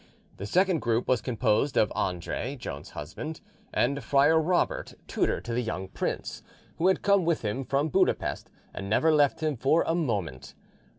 The second group was composed of Andre, Joan's husband, and Friar Robert, tutor to the young prince, who had come with him from Budapesth, and never left him for a minute.